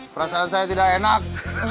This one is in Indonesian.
perasaan saya tidak enak